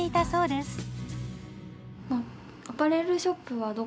そうですね。